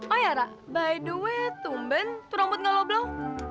oh ya ra by the way tumben tuh rambut nggak loblaw